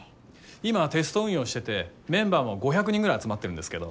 今テスト運用しててメンバーも５００人ぐらい集まってるんですけど。